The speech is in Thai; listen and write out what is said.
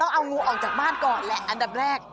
เอางูออกจากบ้านก่อนแหละอันดับแรก